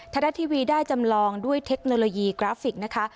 รัฐทีวีได้จำลองด้วยเทคโนโลยีกราฟิกนะคะ